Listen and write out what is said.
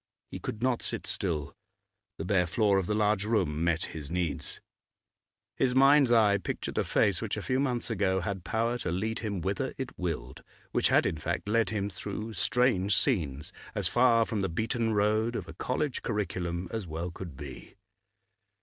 He could not sit still; the bare floor of the large room met his needs. His mind's eye pictured a face which a few months ago had power to lead him whither it willed, which had in fact led him through strange scenes, as far from the beaten road of a college curriculum as well could be.